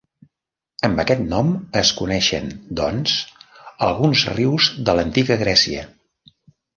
Amb aquest nom es coneixen, doncs, alguns rius de l'antiga Grècia.